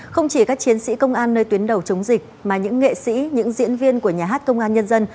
không chỉ các chiến sĩ công an nơi tuyến đầu chống dịch mà những nghệ sĩ những diễn viên của nhà hát công an nhân dân